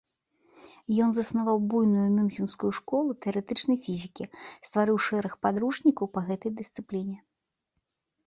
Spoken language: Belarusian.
Ён заснаваў буйную мюнхенскую школу тэарэтычнай фізікі, стварыў шэраг падручнікаў па гэтай дысцыпліне.